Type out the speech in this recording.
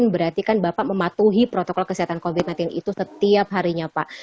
berarti kan bapak mematuhi protokol kesehatan covid sembilan belas itu setiap harinya pak